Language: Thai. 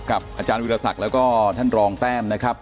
อาจารย์วิทยาศักดิ์แล้วก็ท่านรองแต้มนะครับ